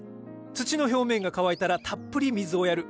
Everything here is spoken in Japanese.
土の表面が乾いたらたっぷり水をやる。